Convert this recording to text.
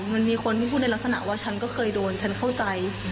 มันมีคนที่พูดในลักษณะว่าฉันก็เคยโดนฉันเข้าใจ